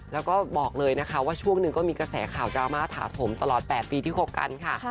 แล้วก็บอกเลยนะคะว่าช่วงหนึ่งก็มีกระแสข่าวดราม่าถาถมตลอด๘ปีที่คบกันค่ะ